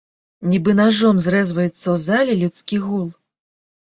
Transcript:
Нібы нажом зрэзваецца ў зале людскі гул.